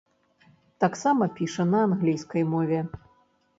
Таксама піша на англійскай мове.